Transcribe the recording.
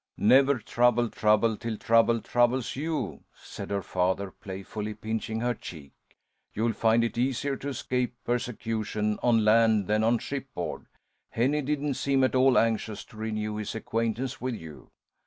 "'Never trouble trouble till trouble troubles you,'" said her father, playfully pinching her cheek. "You'll find it easier to escape persecution on land than on shipboard. Henny didn't seem at all anxious to renew his acquaintance with you.